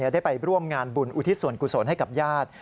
ได้ไปร่วมงานบุญอุทิศส่วนกุศลให้กับญาติ